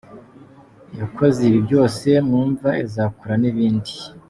Iyakoze ibi byose mwumva izakora n’ibindi.